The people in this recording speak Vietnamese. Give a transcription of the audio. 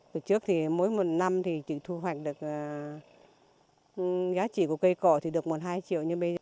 từ trước thì mỗi một năm thì chỉ thu hoạch được giá trị của cây cỏ thì được một hai triệu như bây giờ